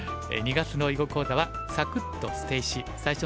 ２月の囲碁講座は「サクッ！と捨て石」。